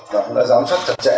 và cũng đã giám sát chặt chẽ